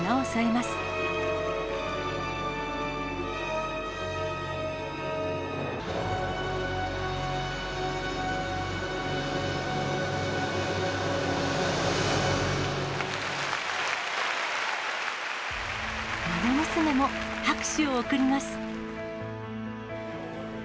まな娘も拍手を送ります。